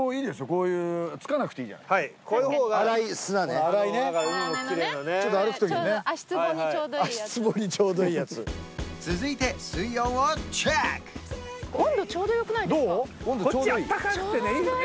こういうつかなくていいじゃないはいこういう方が粗い砂ねだから海もきれいなねちょっと歩く時にね足つぼにちょうどいいやつ足つぼにちょうどいいやつ続いてこっちあったかくてねいいよね